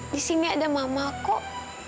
di sini ada mama kok